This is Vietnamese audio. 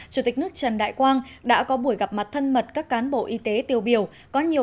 chủ tịch nước trần đại quang đã có buổi gặp mặt thân mật các cán bộ y tế tiêu biểu có nhiều